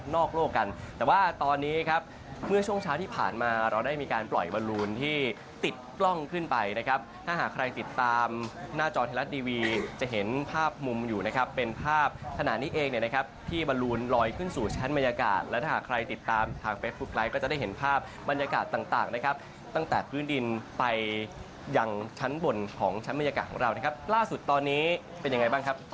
นอกโลกกันแต่ว่าตอนนี้ครับเมื่อช่วงเช้าที่ผ่านมาเราได้มีการปล่อยวรุณที่ติดกล้องขึ้นไปนะครับถ้าหากใครติดตามหน้าจอเทลาท์ดีวีจะเห็นภาพมุมอยู่นะครับเป็นภาพขนาดนี้เองนะครับที่วรุณลอยขึ้นสู่ชั้นบรรยากาศแล้วถ้าหากใครติดตามทางเฟซบุ๊คไลก์ก็จะได้เห็นภาพบรรยากาศต่างนะครับตั้ง